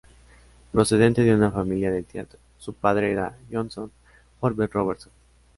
Procedente de una familia del teatro, su padre era Johnston Forbes-Robertson.